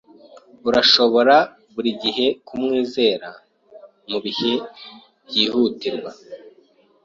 Urashobora buri gihe kumwizera mubihe byihutirwa.